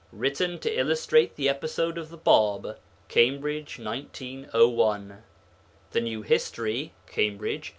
Written to illustrate the Episode of the Bāb. Cambridge, 1901. The New History. Cambridge, 1893.